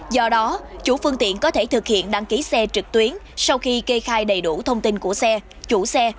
do đó chủ phương tiện có thể thực hiện đăng ký xe trực tuyến sau khi kê khai đầy đủ thông tin của xe chủ xe